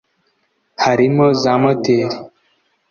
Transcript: Harimo za moteri